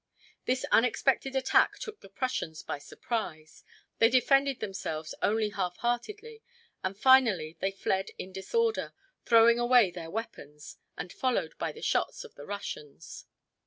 This unexpected attack took the Prussians by surprise. They defended themselves only half heartedly and finally they fled in disorder, throwing away their weapons, and followed by the shots of the Russians.